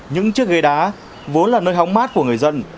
những chiếc ghế đá vốn là nơi hóng mát của người dân